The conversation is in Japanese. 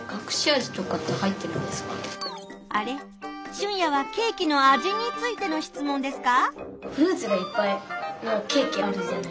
シュンヤはケーキの味についての質問ですか？